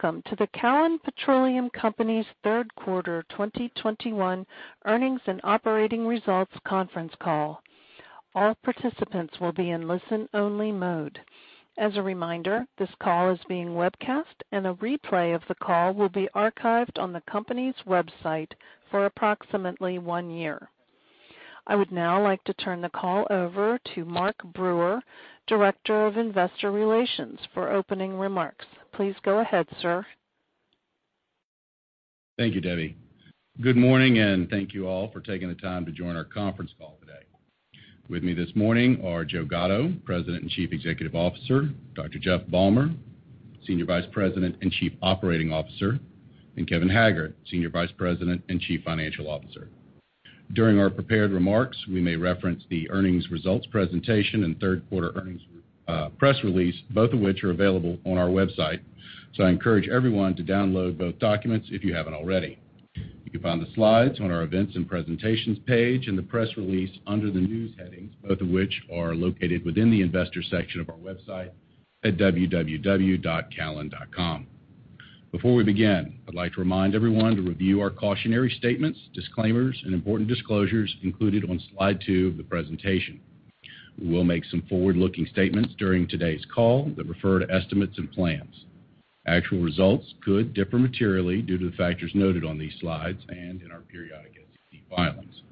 Welcome to the Callon Petroleum Company Q3 2021 Earnings and operating results Conference Call. All participants will be in listen-only mode. As a reminder, this call is being webcast, and a replay of the call will be archived on the company's website for approximately one year. I would now like to turn the call over to Mark Brewer, Director of Investor Relations, for opening remarks. Please go ahead, sir. Thank you, Debbie. Good morning, and thank you all for taking the time to join our Conference Call today. With me this morning are Joe Gatto, President and Chief Executive Officer, Dr. Jeff Balmer, Senior Vice President and Chief Operating Officer, and Kevin Haggard, Senior Vice President and Chief Financial Officer. During our prepared remarks, we may reference the earnings results presentation and third-quarter earnings press release, both of which are available on our website. I encourage everyone to download both documents if you haven't already. You can find the slides on our Events and Presentations page and the press release under the News headings, both of which are located within the Investors section of our website at www.callon.com. Before we begin, I'd like to remind everyone to review our cautionary statements, disclaimers, and important disclosures included on slide two of the presentation. We will make some forward-looking statements during today's call that refer to estimates and plans. Actual results could differ materially due to the factors noted on these slides and in our periodic SEC filings.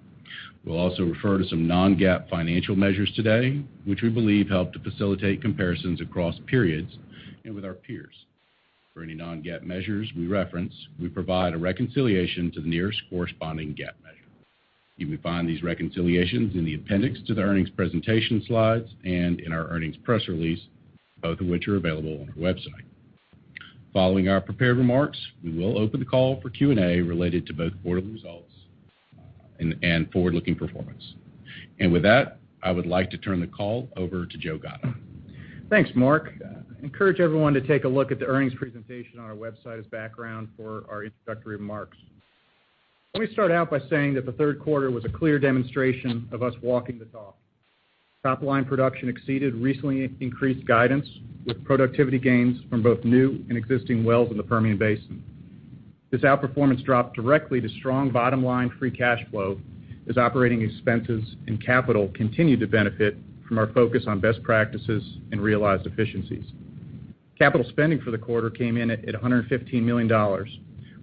We'll also refer to some non-GAAP financial measures today, which we believe help to facilitate comparisons across periods and with our peers. For any non-GAAP measures we reference, we provide a reconciliation to the nearest corresponding GAAP measure. You may find these reconciliations in the appendix to the earnings presentation slides and in our earnings press release, both of which are available on our website. Following our prepared remarks, we will open the call for Q&A related to both quarterly results and forward-looking performance. With that, I would like to turn the call over to Joe Gatto. Thanks, Mark. I encourage everyone to take a look at the earnings presentation on our website as background for our introductory remarks. Let me start out by saying that the Q3 was a clear demonstration of us walking the talk. Top-line production exceeded recently increased guidance, with productivity gains from both new and existing wells in the Permian Basin. This outperformance dropped directly to strong bottom-line free cash flow as operating expenses and capital continued to benefit from our focus on best practices and realized efficiencies. Capital spending for the quarter came in at $115 million,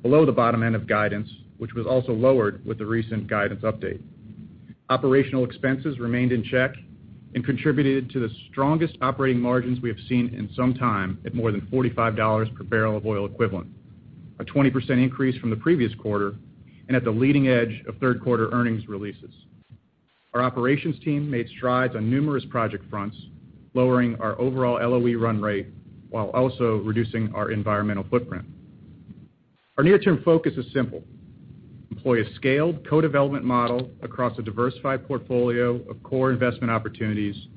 below the bottom-end of guidance, which was also lowered with the recent guidance update. Operational expenses remained in check and contributed to the strongest operating margins we have seen in some time at more than $45 per barrel of oil equivalent, a 20% increase from the previous quarter and at the leading edge of third-quarter earnings releases. Our operations team made strides on numerous project fronts, lowering our overall LOE run rate while also reducing our environmental footprint. Our near-term focus is simple. Employ a scaled co-development model across a diversified portfolio of core investment opportunities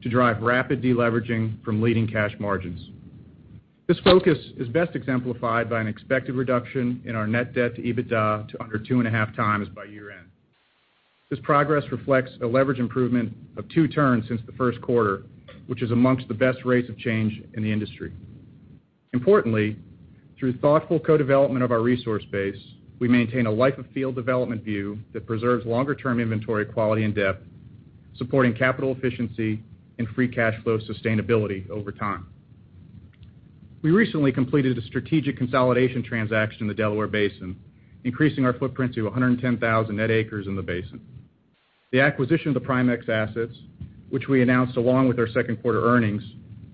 to drive rapid deleveraging from leading cash margins. This focus is best exemplified by an expected reduction in our net debt to EBITDA to under 2.5 times by year-end. This progress reflects a leverage improvement of 2 turns since the Q1, which is among the best rates of change in the industry. Importantly, through thoughtful co-development of our resource base, we maintain a life of field development view that preserves longer-term inventory quality and depth, supporting capital efficiency and free cash flow sustainability over time. We recently completed a strategic consolidation transaction in the Delaware Basin, increasing our footprint to 110,000 net acres in the basin. The acquisition of the Primexx assets, which we announced along with our second-quarter earnings,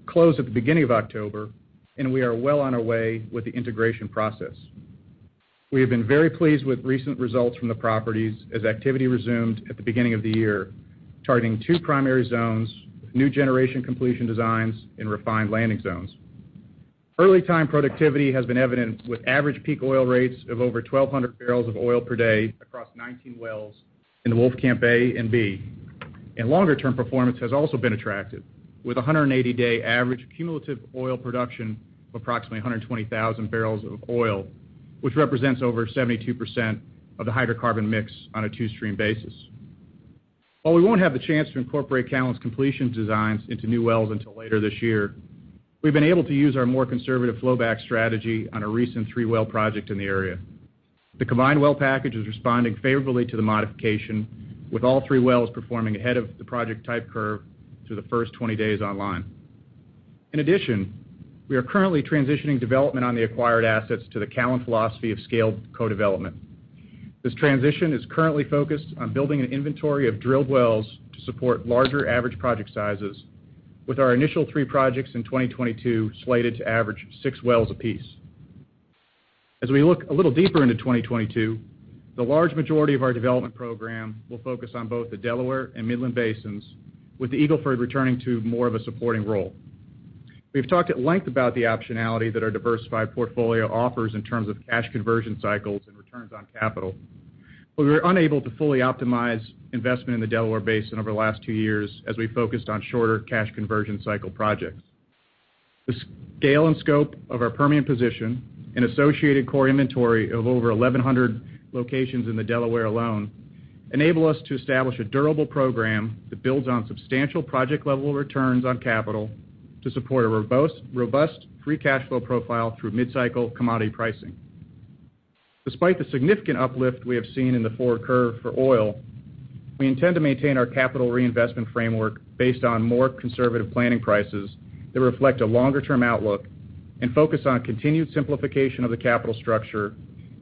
closed at the beginning of October, and we are well on our way with the integration process. We have been very pleased with recent results from the properties as activity resumed at the beginning of the year, targeting two primary zones with new generation completion designs and refined landing zones. Early time productivity has been evident with average peak oil rates of over 1,200 barrels of oil per day across 19 wells in the Wolfcamp A and B. Longer-term performance has also been attractive, with a 180-day average cumulative oil production of approximately 120,000 barrels of oil, which represents over 72% of the hydrocarbon mix on a two-stream basis. While we won't have the chance to incorporate Callon's completion designs into new wells until later this year, we've been able to use our more conservative flowback strategy on a recent three-well project in the area. The combined well-package is responding favorably to the modification, with all three wells performing ahead of the project type curve through the first 20 days online. In addition, we are currently transitioning development on the acquired assets to the Callon philosophy of scaled co-development. This transition is currently focused on building an inventory of drilled wells to support larger average project sizes, with our initial three projects in 2022 slated to average six wells apiece. As we look a little deeper into 2022, the large majority of our development program will focus on both the Delaware and Midland Basins, with the Eagle Ford returning to more of a supporting role. We've talked at length about the optionality that our diversified portfolio offers in terms of cash conversion cycles and returns on capital, but we were unable to fully optimize investment in the Delaware Basin over the last two years as we focused on shorter cash conversion cycle projects. The scale and scope of our Permian position and associated core inventory of over 1,100 locations in the Delaware alone. Enable us to establish a durable program that builds on substantial project level returns on capital to support a robust free cash flow profile through mid-cycle commodity pricing. Despite the significant uplift we have seen in the forward curve for oil, we intend to maintain our capital reinvestment framework based on more conservative planning prices that reflect a longer-term outlook and focus on continued simplification of the capital structure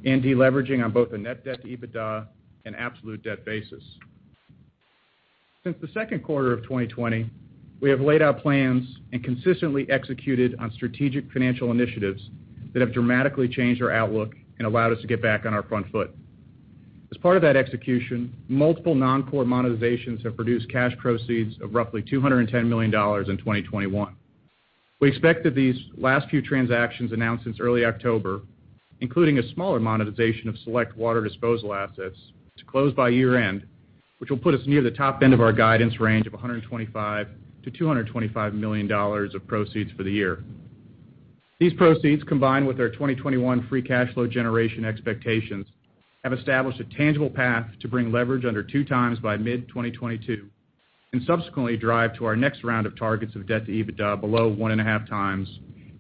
and deleveraging on both the net debt to EBITDA and absolute debt basis. Since the Q2 of 2020, we have laid out plans and consistently executed on strategic financial initiatives that have dramatically changed our outlook and allowed us to get back on our front foot. As part of that execution, multiple non-core monetizations have produced cash proceeds of roughly $210 million in 2021. We expect that these last few transactions announced since early October, including a smaller monetization of select water disposal assets to close by year-end, which will put us near the top end of our guidance range of $125 million-$225 million of proceeds for the year. These proceeds, combined with our 2021 free cash flow generation expectations, have established a tangible path to bring leverage under 2x by mid-2022 and subsequently drive to our next round of targets of debt to EBITDA below 1.5x and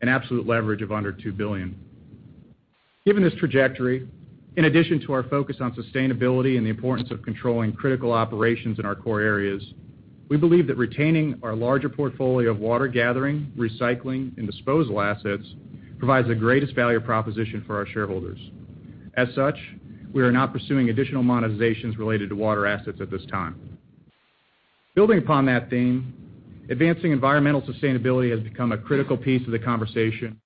an absolute leverage of under $2 billion. Given this trajectory, in addition to our focus on sustainability and the importance of controlling critical operations in our core areas, we believe that retaining our larger portfolio of water gathering, recycling, and disposal assets provides the greatest value proposition for our shareholders. As such, we are now pursuing additional monetizations related to water assets at this time. Building upon that theme, advancing environmental sustainability has become a critical piece of the conversation.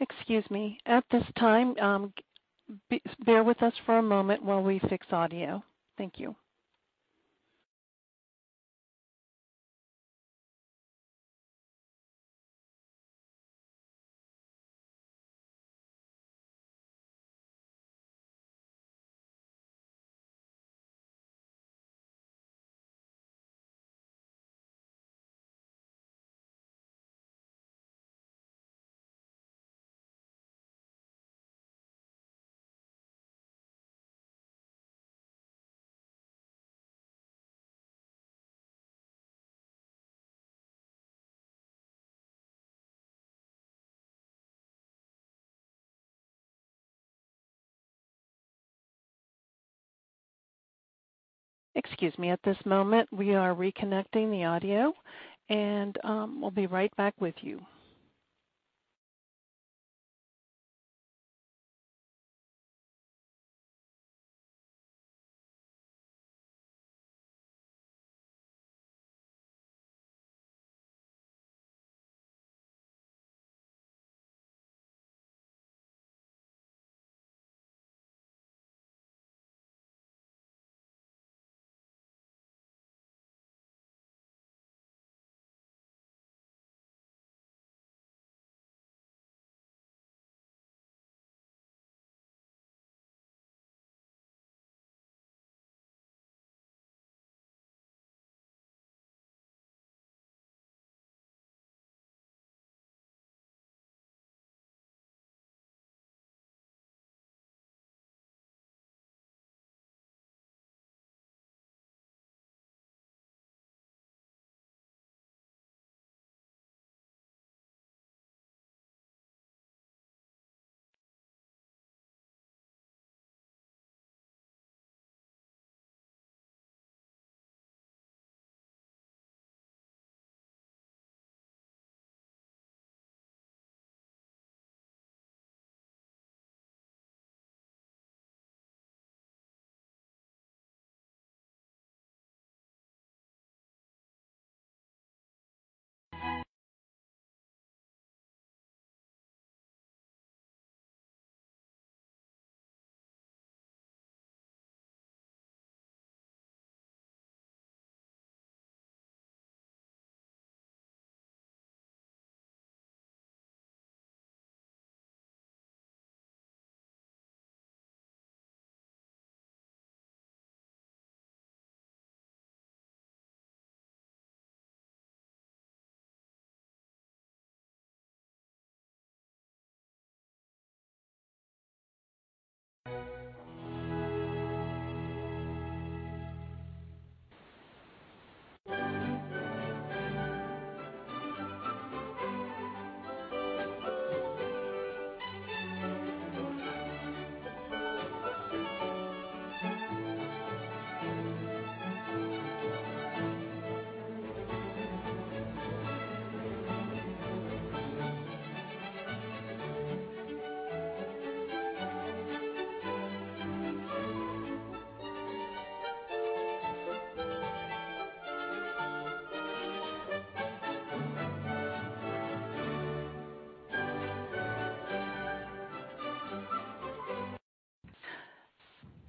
Excuse me. At this time, um, be-bear with us for a moment while we fix audio. Thank you. Excuse me. At this moment, we are reconnecting the audio and, um, we'll be right back with you.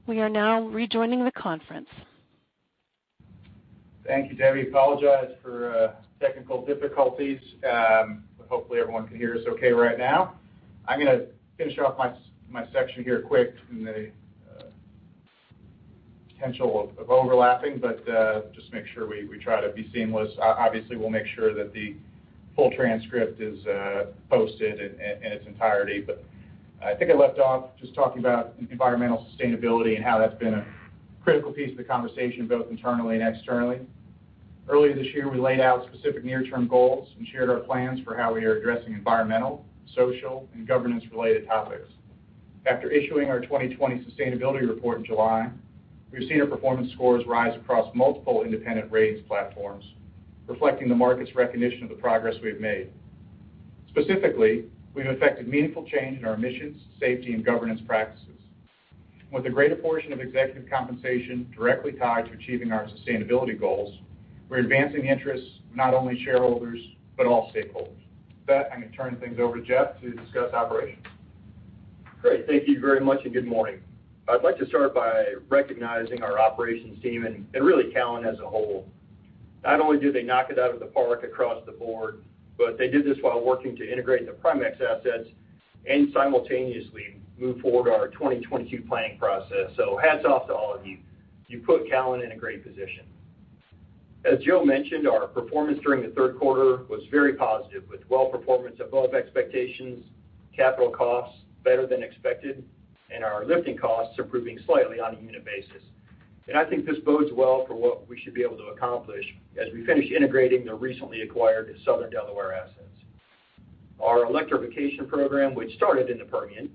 We are now rejoining the conference. Thank you, Debbie. I apologize for technical difficulties. Hopefully everyone can hear us okay right now. I'm gonna finish off my section here quick in the potential of overlapping, but just make sure we try to be seamless. Obviously, we'll make sure that the full transcript is posted in its entirety. I think I left off just talking about environmental sustainability and how that's been a critical piece of the conversation, both internally and externally. Earlier this year, we laid out specific near-term goals and shared our plans for how we are addressing environmental, social, and governance-related topics. After issuing our 2020 sustainability report in July, we've seen our performance scores rise across multiple independent ratings platforms, reflecting the market's recognition of the progress we have made. Specifically, we've affected meaningful change in our emissions, safety, and governance practices. With a greater portion of executive compensation directly tied to achieving our sustainability goals, we're advancing the interests of not only shareholders, but all stakeholders. With that, I'm gonna turn things over to Jeff to discuss operations. Great. Thank you very much, and good morning. I'd like to start by recognizing our operations team and really Callon as a whole. Not only do they knock it out of the park across the board, but they did this while working to integrate the Primexx assets and simultaneously move forward our 2022 planning process. Hats off to all of you. You put Callon in a great position. As Joe mentioned, our performance during the Q3 was very positive, with well-performance above expectations, capital costs better than expected, and our lifting costs improving slightly on a unit basis. I think this bodes well for what we should be able to accomplish as we finish integrating the recently acquired Southern Delaware assets. Our electrification program, which started in the Permian,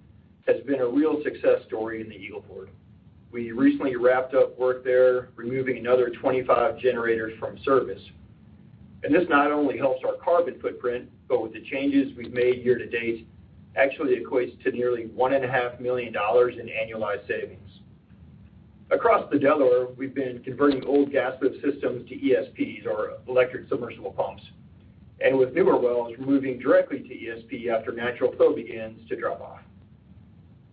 has been a real success story in the Eagle Ford. We recently wrapped up work there, removing another 25 generators from service. This not only helps our carbon footprint, but with the changes we've made year to date actually equates to nearly $1.5 million in annualized savings. Across the Delaware, we've been converting old gas lift systems to ESPs or electric submersible pumps, and with newer wells, moving directly to ESP after natural flow begins to drop off.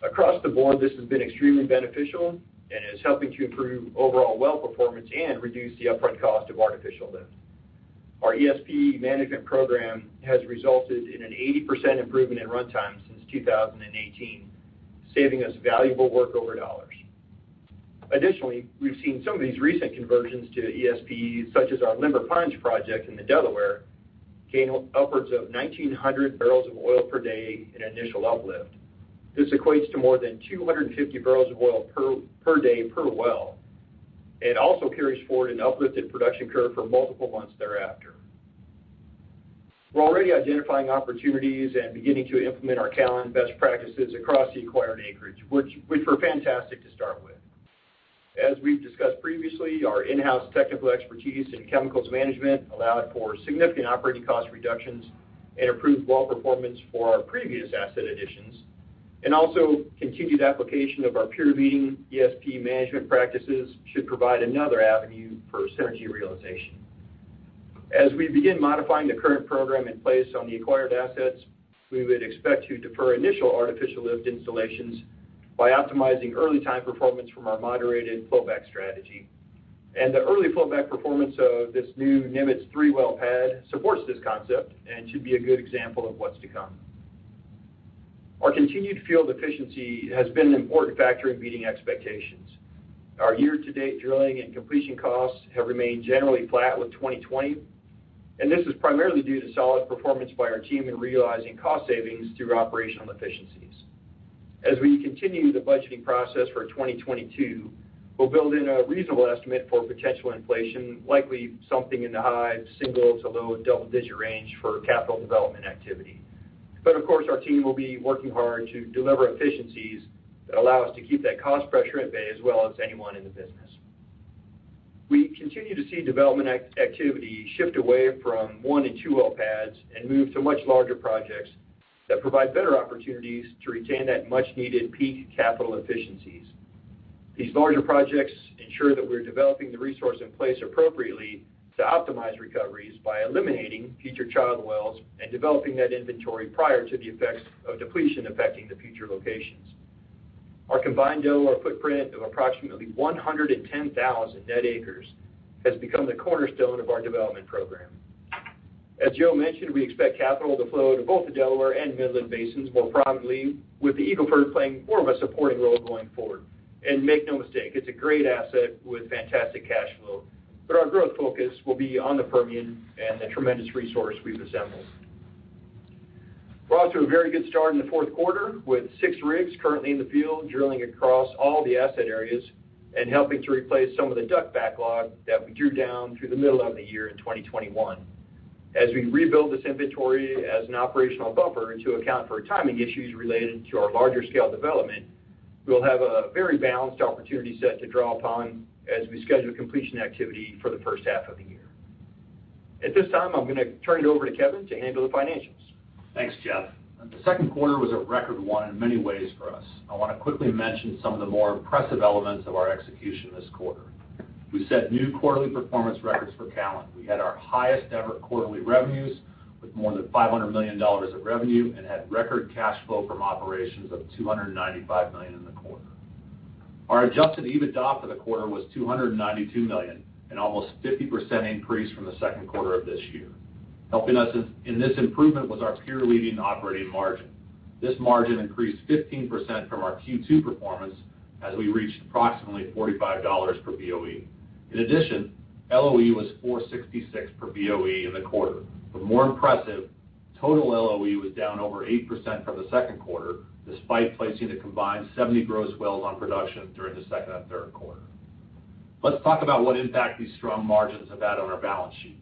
Across the board, this has been extremely beneficial and is helping to improve overall well-performance and reduce the upfront cost of artificial lift. Our ESP management program has resulted in an 80% improvement in runtime since 2018, saving us valuable workover dollars. Additionally, we've seen some of these recent conversions to ESP, such as our Limber Pines project in the Delaware, gain upwards of 1,900 barrels of oil per day in initial uplift. This equates to more than 250 barrels of oil per day per well. It also carries forward an uplifted production curve for multiple months thereafter. We're already identifying opportunities and beginning to implement our Callon best practices across the acquired acreage, which were fantastic to start with. As we've discussed previously, our in-house technical expertise in chemicals management allowed for significant operating cost reductions and improved well-performance for our previous asset additions. Also, continued application of our peer-leading ESP management practices should provide another avenue for synergy realization. As we begin modifying the current program in place on the acquired assets, we would expect to defer initial artificial lift installations by optimizing early time performance from our moderated flowback strategy. The early flowback performance of this new Nimitz 3-well pad supports this concept and should be a good example of what's to come. Our continued field efficiency has been an important factor in meeting expectations. Our year-to-date drilling and completion costs have remained generally flat with 2020, and this is primarily due to solid performance by our team in realizing cost savings through operational efficiencies. As we continue the budgeting process for 2022, we'll build in a reasonable estimate for potential inflation, likely something in the high-singles to low double-digit range for capital development activity. Of course, our team will be working hard to deliver efficiencies that allow us to keep that cost pressure at bay as well as anyone in the business. We continue to see development activity shift away from 1-2 well pads and move to much larger projects that provide better opportunities to retain that much-needed peak capital efficiencies. These larger projects ensure that we're developing the resource in place appropriately to optimize recoveries by eliminating future child wells and developing that inventory prior to the effects of depletion affecting the future locations. Our combined Delaware footprint of approximately 110,000 net acres has become the cornerstone of our development program. As Joe mentioned, we expect capital to flow to both the Delaware and Midland basins more prominently, with the Eagle Ford playing more of a supporting role going forward. Make no mistake, it's a great asset with fantastic cash flow. Our growth focus will be on the Permian and the tremendous resource we've assembled. We're off to a very good start in the Q4, with six rigs currently in the field, drilling across all the asset areas and helping to replace some of the DUC backlog that we drew down through the middle of the year in 2021. As we rebuild this inventory as an operational buffer to account for timing issues-related to our larger scale development, we'll have a very balanced opportunity set to draw upon as we schedule completion activity for the first half of the year. At this time, I'm gonna turn it over to Kevin to handle the financials. Thanks, Jeff. The Q2 was a record one in many ways for us. I wanna quickly mention some of the more impressive elements of our execution this quarter. We set new quarterly performance records for Callon. We had our highest ever quarterly revenues with more than $500 million of revenue and had record cash flow from operations of $295 million in the quarter. Our adjusted EBITDA for the quarter was $292 million, an almost 50% increase from the Q2 of this year. Helping us in this improvement was our peer-leading operating margin. This margin increased 15% from our Q2 performance as we reached approximately $45 per BOE. In addition, LOE was $4.66 per BOE in the quarter. More impressive, total LOE was down over 8% from the Q2, despite placing a combined 70 gross wells on production during the second and Q3. Let's talk about what impact these strong margins have had on our balance sheet.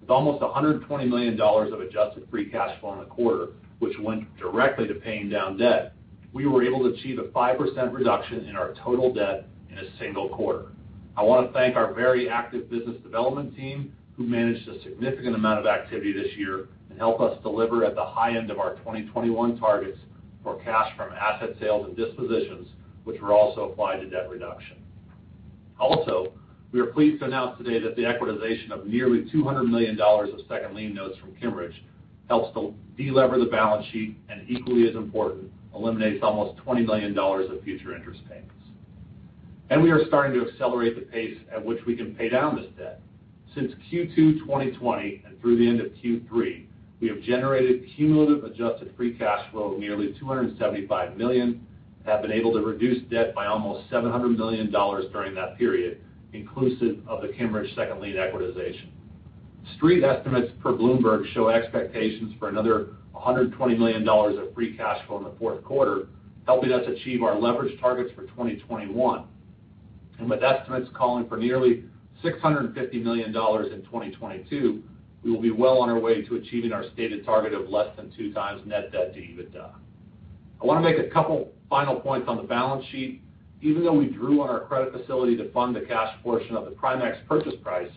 With almost $120 million of adjusted free cash flow in the quarter, which went directly to paying down debt, we were able to achieve a 5% reduction in our total debt in a single quarter. I wanna thank our very active business development team, who managed a significant amount of activity this year and helped us deliver at the high-end of our 2021 targets for cash from asset sales and dispositions, which were also applied to debt reduction. We are pleased to announce today that the equitization of nearly $200 million of second lien notes from Kimmeridge helps to de-lever the balance sheet, and equally as important, eliminates almost $20 million of future interest payments. We are starting to accelerate the pace at which we can pay down this debt. Since Q2 2020 and through the end of Q3, we have generated cumulative adjusted free cash flow of nearly $275 million, have been able to reduce debt by almost $700 million during that period, inclusive of the Kimmeridge second lien equitization. Street estimates per Bloomberg show expectations for another $120 million of free cash flow in the Q4, helping us achieve our leverage targets for 2021. With estimates calling for nearly $650 million in 2022, we will be well on our way to achieving our stated target of less than 2x net debt to EBITDA. I wanna make a couple final points on the balance sheet. Even though we drew on our credit facility to fund the cash portion of the Primexx purchase price,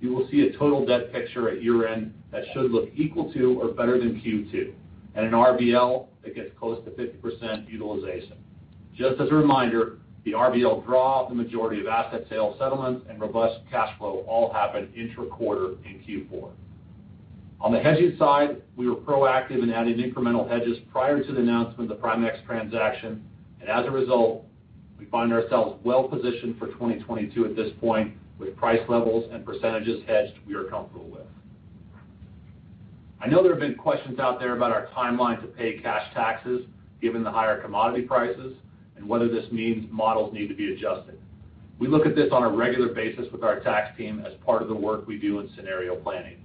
you will see a total debt picture at year-end that should look equal to or better than Q2, and an RBL that gets close to 50% utilization. Just as a reminder, the RBL draw, the majority of asset sale settlements, and robust cash flow all happen intra-quarter in Q4. On the hedging side, we were proactive in adding incremental hedges prior to the announcement of the Primexx transaction. As a result, we find ourselves well-positioned for 2022 at this point, with price levels and percentages hedged, we are comfortable with. I know there have been questions out there about our timeline to pay cash taxes given the higher commodity prices and whether this means models need to be adjusted. We look at this on a regular basis with our tax team as part of the work we do in scenario planning.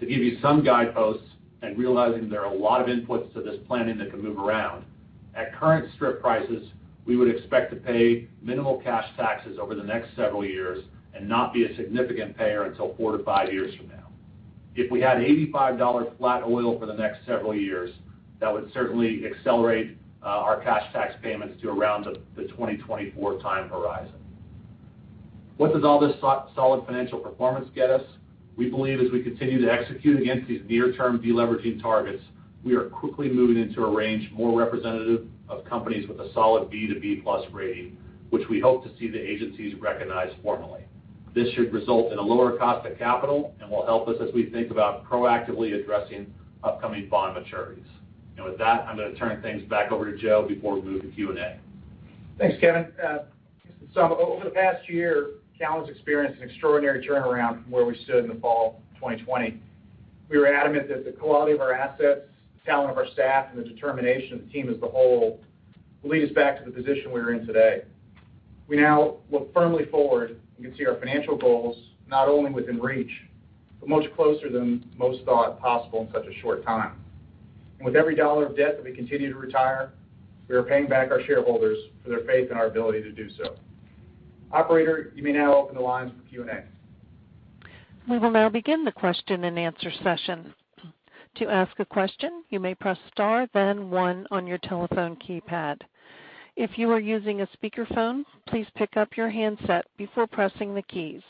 To give you some guideposts and realizing there are a lot of inputs to this planning that can move around, at current strip prices, we would expect to pay minimal cash taxes over the next several years and not be a significant payer until 4-5 years from now. If we had $85 flat oil for the next several years, that would certainly accelerate our cash tax payments to around the 2024 time horizon. What does all this solid financial performance get us? We believe as we continue to execute against these near-term de-leveraging targets, we are quickly moving into a range more representative of companies with a solid B to B+ rating, which we hope to see the agencies recognize formally. This should result in a lower cost of capital and will help us as we think about proactively addressing upcoming bond maturities. With that, I'm gonna turn things back over to Joe before we move to Q&A. Thanks, Kevin. So over the past year, Callon's experienced an extraordinary turnaround from where we stood in the fall of 2020. We were adamant that the quality of our assets, talent of our staff, and the determination of the team as the whole will lead us back to the position we are in today. We now look firmly forward. You can see our financial goals not only within reach, but much closer than most thought possible in such a short time. With every dollar of debt that we continue to retire, we are paying back our shareholders for their faith in our ability to do so. Operator, you may now open the lines for Q&A. We will now begin the question-and-answer session. To ask a question, you may press star then one on your telephone keypad. If you are using a speakerphone, please pick up your handset before pressing the keys.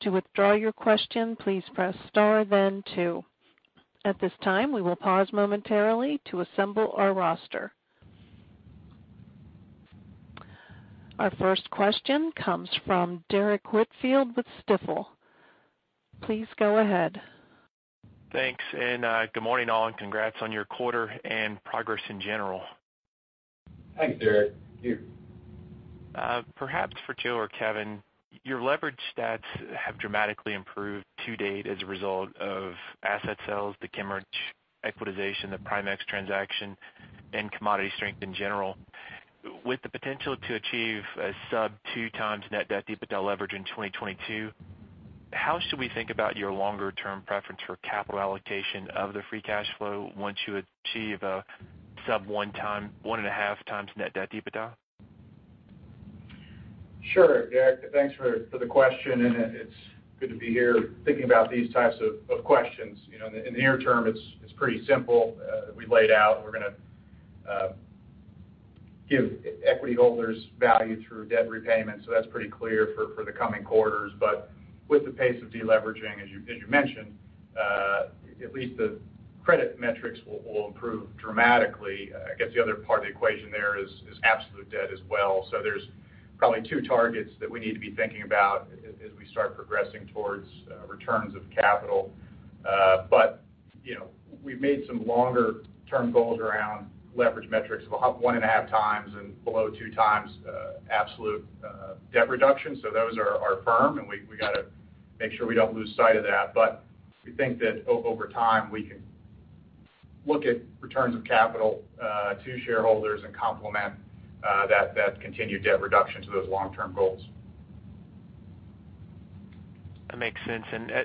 To withdraw your question, please press star then two. At this time, we will pause momentarily to assemble our roster. Our first question comes from Derrick Whitfield with Stifel. Please go ahead. Thanks, and, good morning, all, and congrats on your quarter and progress in general. Thanks, Derrick. Thank you. Perhaps for Joe or Kevin, your leverage stats have dramatically improved to date as a result of asset sales, the Kimmeridge equitization, the Primexx transaction, and commodity strength in general. With the potential to achieve a sub 2x net debt EBITDA leverage in 2022, how should we think about your longer term preference for capital allocation of the free cash flow once you achieve sub 1.5x net debt EBITDA? Sure, Derek. Thanks for the question, and it's good to be here thinking about these types of questions. You know, in the near term, it's pretty simple, we've laid out. We're gonna give equity holders value through debt repayment, so that's pretty clear for the coming quarters. With the pace of deleveraging, as you mentioned, at least the credit metrics will improve dramatically. I guess the other part of the equation there is absolute debt as well. There's probably two targets that we need to be thinking about as we start progressing towards returns of capital. You know, we've made some longer-term goals around leverage metrics of 0.5-1.5x and below 2x absolute debt reduction. Those are firm, and we gotta make sure we don't lose sight of that. We think that over time, we can look at returns of capital to shareholders and complement that continued debt reduction to those long-term goals. That makes sense.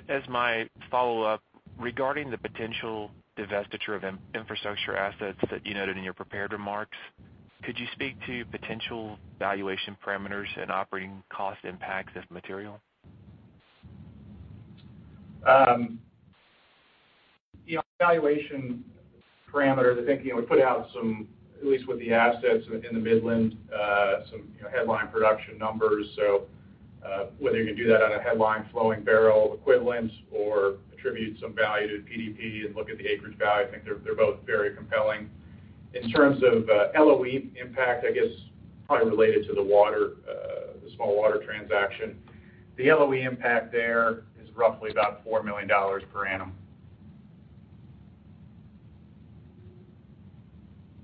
As my follow-up, regarding the potential divestiture of infrastructure assets that you noted in your prepared remarks, could you speak to potential valuation parameters and operating cost impacts, if material? The valuation parameter, the thinking we put out some at least with the assets in the Midland, some you know headline production numbers. Whether you can do that on a headline flowing barrel equivalent or attribute some value to the PDP and look at the acreage value, I think they're both very compelling. In terms of LOE impact, I guess probably related to the water, the small water transaction. The LOE impact there is roughly about $4 million per annum.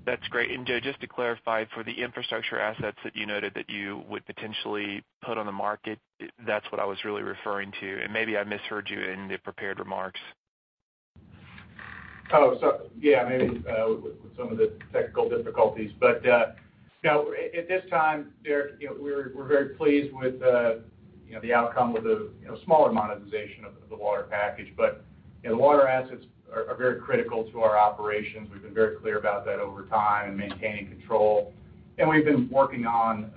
That's great. Joe, just to clarify, for the infrastructure assets that you noted that you would potentially put on the market, that's what I was really referring to, and maybe I misheard you in the prepared remarks. Oh, yeah, maybe with some of the technical difficulties. You know, at this time, Derrick, you know, we're very pleased with you know, the outcome of the smaller monetization of the water package. The water assets are very critical to our operations. We've been very clear about that over time and maintaining control. We've been working on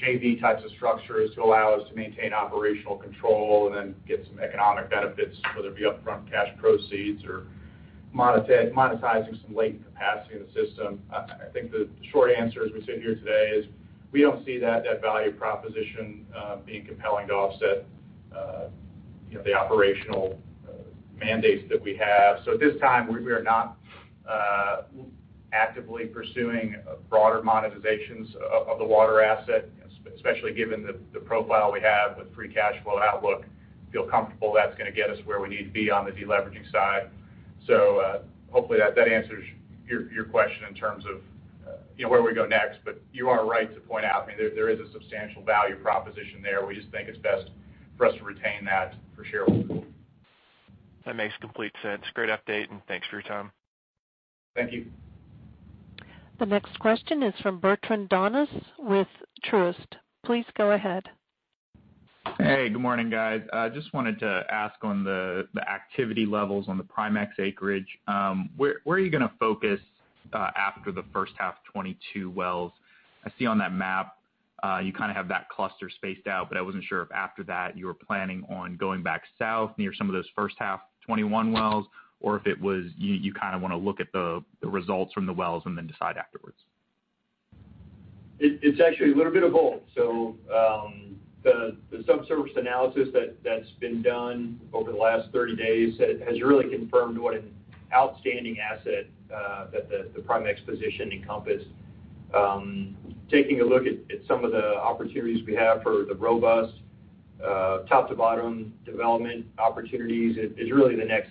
JV types of structures to allow us to maintain operational control and then get some economic benefits, whether it be upfront cash proceeds or monetizing some latent capacity in the system. I think the short answer as we sit here today is we don't see that value proposition being compelling to offset you know, the operational mandates that we have. At this time, we are not actively pursuing broader monetizations of the water asset, especially given the profile we have with free cash flow outlook. We feel comfortable that's gonna get us where we need to be on the deleveraging side. Hopefully that answers your question in terms of, you know, where we go next. You are right to point out, I mean, there is a substantial value proposition there. We just think it's best for us to retain that for shareholders. That makes complete sense. Great update, and thanks for your time. Thank you. The next question is from Bertrand Donnes with Truist. Please go ahead. Hey, good morning, guys. I just wanted to ask on the activity levels on the Primexx acreage. Where are you gonna focus after the first half 2022 wells? I see on that map, you kinda have that cluster spaced out, but I wasn't sure if after that you were planning on going back south near some of those first half 2021 wells, or if it was you kinda wanna look at the results from the wells and then decide afterwards. It's actually a little bit of both. The subsurface analysis that's been done over the last 30 days has really confirmed what an outstanding asset that the Primexx position encompassed. Taking a look at some of the opportunities we have for the robust top to bottom development opportunities is really the next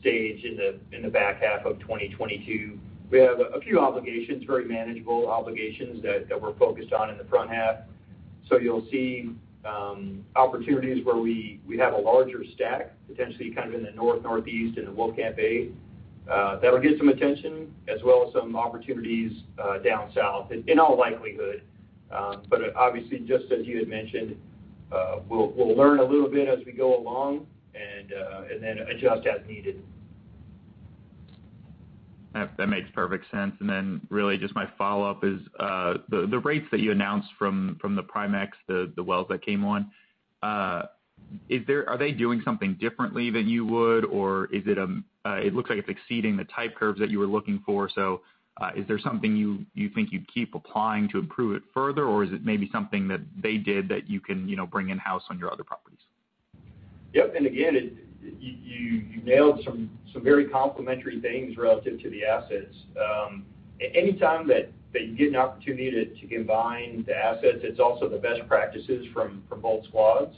stage in the back half of 2022. We have a few obligations, very manageable obligations that we're focused on in the front half. You'll see opportunities where we have a larger stack, potentially kind of in the north, northeast in the Wolfcamp A. That'll get some attention as well as some opportunities down south in all likelihood. Obviously, just as you had mentioned, we'll learn a little bit as we go along and then adjust as needed. That makes perfect sense. Really just my follow-up is the rates that you announced from the Primexx, the wells that came on. Are they doing something differently than you would? Or it looks like it's exceeding the type curves that you were looking for. Is there something you think you'd keep applying to improve it further? Or is it maybe something that they did that you can, you know, bring in-house on your other properties? Yep. Again, you nailed some very complementary things relative to the assets. Anytime that you get an opportunity to combine the assets, it's also the best practices from both squads.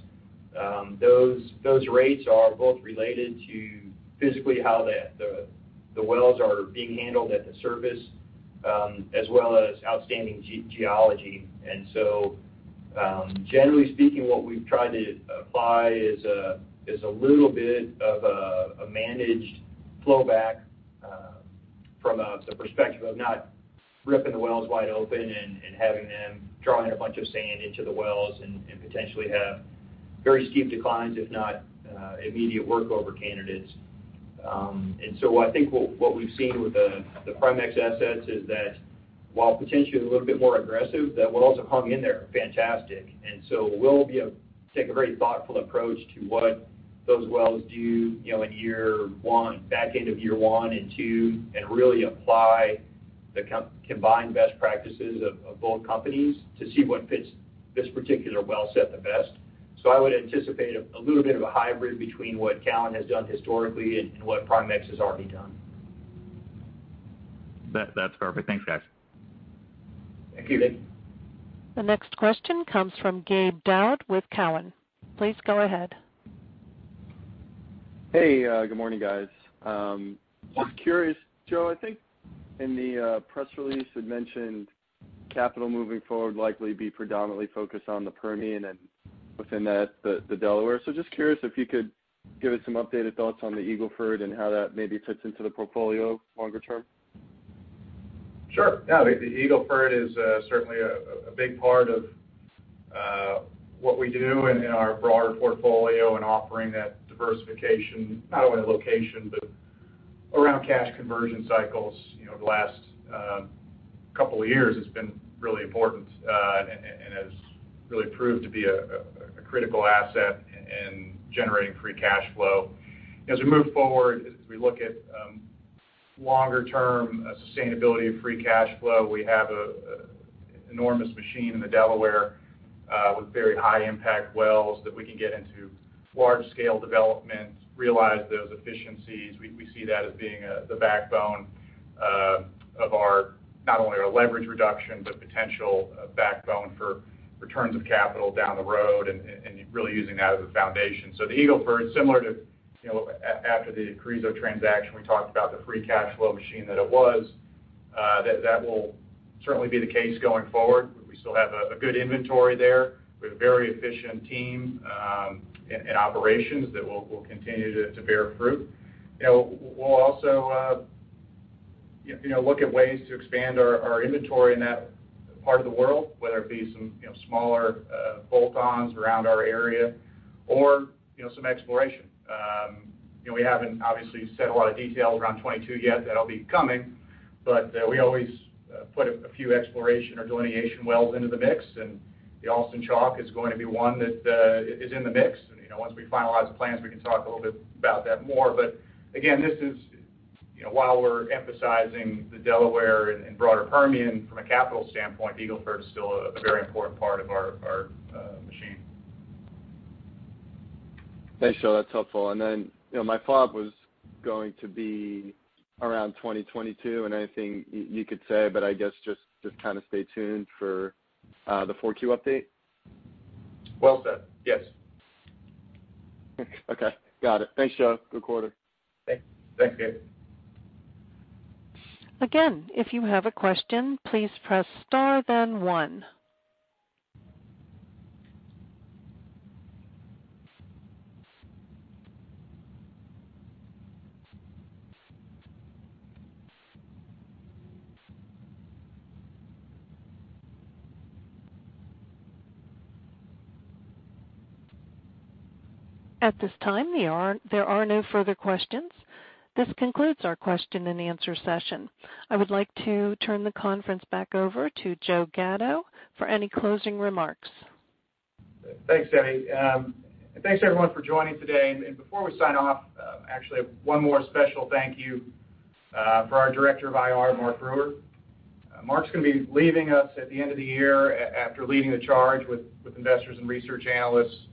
Those rates are both related to physically how the wells are being handled at the surface, as well as outstanding geology. Generally speaking, what we've tried to apply is a little bit of a managed flow back from the perspective of not ripping the wells wide open and having them drawing a bunch of sand into the wells and potentially have very steep declines, if not immediate workover candidates. I think what we've seen with the Primexx assets is that while potentially a little bit more aggressive, that wells have hung in there fantastic. We'll take a very thoughtful approach to what those wells do, you know, in year one, back end of year one and two, and really apply the combined best practices of both companies to see what fits this particular well set the best. I would anticipate a little bit of a hybrid between what Callon has done historically and what Primexx has already done. That's perfect. Thanks, guys. Thank you. Thank you. The next question comes from Gabe Daoud with Cowen. Please go ahead. Hey, good morning, guys. Yes. Just curious, Joe, I think in the press release, you'd mentioned capital moving forward likely be predominantly focused on the Permian and within that, the Delaware. So just curious if you could give us some updated thoughts on the Eagle Ford and how that maybe fits into the portfolio longer term. Sure. Yeah. The Eagle Ford is certainly a big part of what we do in our broader portfolio and offering that diversification not only in location, but around cash conversion cycles. You know, the last couple of years has been really important, and has really proved to be a critical asset in generating free cash flow. As we move forward, as we look at longer-term sustainability of free cash flow, we have an enormous machine in the Delaware with very high impact wells that we can get into large scale developments, realize those efficiencies. We see that as being the backbone of our, not only our leverage reduction, but potential backbone for returns of capital down the road and really using that as a foundation. The Eagle Ford, similar to after the Carrizo transaction, we talked about the free cash flow machine that it was, that will certainly be the case going forward. We still have a good inventory there. We have very efficient teams, and operations that will continue to bear fruit. We'll also look at ways to expand our inventory in that part of the world, whether it be some smaller bolt-ons around our area or some exploration. We haven't obviously said a lot of detail around 2022 yet. That'll be coming, but we always put a few exploration or delineation wells into the mix, and the Austin Chalk is going to be one that is in the mix. You know, once we finalize the plans, we can talk a little bit about that more. But again, this is, you know, while we're emphasizing the Delaware and broader Permian from a capital standpoint, Eagle Ford is still a very important part of our machine. Thanks, Joe. That's helpful. You know, my follow-up was going to be around 2022 and anything you could say, but I guess just kinda stay tuned for the 4Q update. Well said. Yes. Okay. Got it. Thanks, Joe. Good quarter. Thanks. Thanks, Gabe. Again, if you have a question, please press star then one. At this time, there are no further questions. This concludes our question-and-answer session. I would like to turn the conference back over to Joe Gatto for any closing remarks. Thanks, Debbie. Thanks, everyone, for joining today. Before we sign off, actually one more special thank you for our Director of IR, Mark Brewer. Mark's gonna be leaving us at the end of the year after leading the charge with investors and research analysts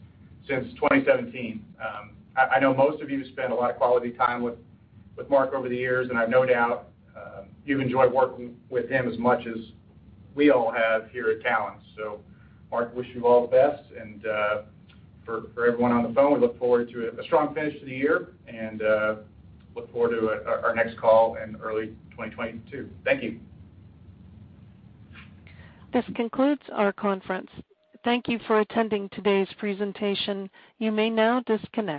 since 2017. I know most of you spent a lot of quality time with Mark over the years, and I have no doubt you've enjoyed working with him as much as we all have here at Callon. Mark, wish you all the best. For everyone on the phone, we look forward to a strong finish to the year and look forward to our next call in early 2022. Thank you. This concludes our conference. Thank you for attending today's presentation. You may now disconnect.